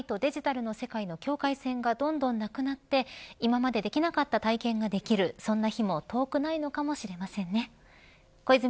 今後、リアルの世界とデジタルの世界の境界線がどんどんなくなって今までできなかった体験ができるようになる日も遠くないのかもしれませんね。